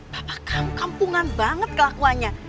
bapak kamp kampungan banget kelakuannya